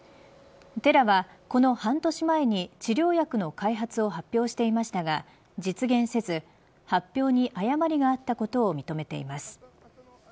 テラは、この半年前に治療薬の開発を発表していましたが、実現せず発表に誤りがあったことを認めています。